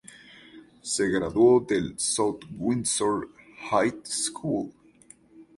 Se graduó del South Windsor High School.